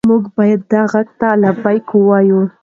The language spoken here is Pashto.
موږ باید دې غږ ته لبیک ووایو.